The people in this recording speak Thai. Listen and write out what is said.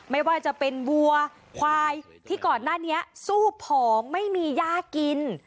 ไม่ว่าจะเป็นวัวควายที่ก่อนหน้านี้สู้ผองไม่มีย่ากิน